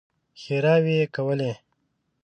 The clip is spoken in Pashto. ښېراوې يې کولې.